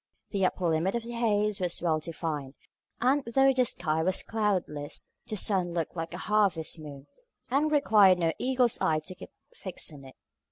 The upper limit of the haze was well defined; and though the sky was cloudless, the sun looked like a harvest moon, and required no eagle's eye to keep fixed on it.